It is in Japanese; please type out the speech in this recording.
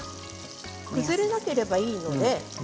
崩れなければいいので。